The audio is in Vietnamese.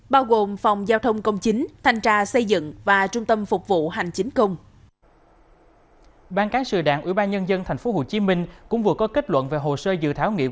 bao gồm phòng giao thông công chính thành trà xây dựng và trung tâm phục vụ hành chính công